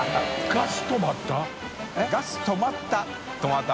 ガス止った」